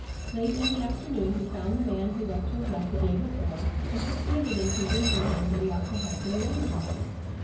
Late in the afternoon he found the man he was to have met the day before, and succeeded in convincing him that he ought to help the new enterprise.